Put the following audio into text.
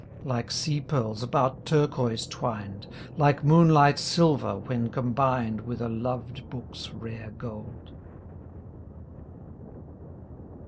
Like sea pearls about turquoise twined. Like moonlight silver when combined With a loved book's rare gold.